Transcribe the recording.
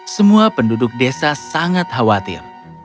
semua penduduk desa sangat khawatir